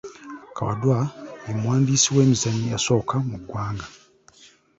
Kawadwa ye muwandiisi w’emizannyo eyasooka mu ggwanga.